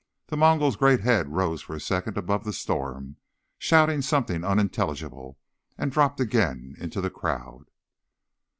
The Mongol's great head rose for a second above the storm, shouting something unintelligible, and dropped again into the crowd.